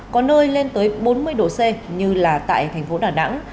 có nơi lên tới bốn mươi độ c như là tại thành phố đà nẵng